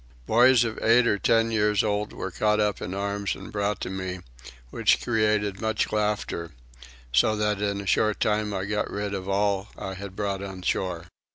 Boys of ten and twelve years old were caught up in arms and brought to me, which created much laughter; so that in a short time I got rid of all I had brought on shore.